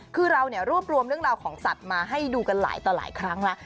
คือเรารวบรวมเรื่องราวของสัตว์มาให้ดูกันหลายต่อหลายครั้งแล้ว